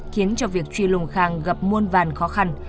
khiến cho việc truy lùng khang gặp muôn vàn khó khăn